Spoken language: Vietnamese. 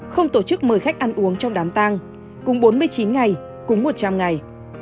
không tổ chức mời khách ăn uống trong đám tang cùng bốn mươi chín ngày cúng một trăm linh ngày